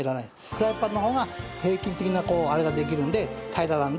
フライパンの方が平均的なあれができるんで平らなんで。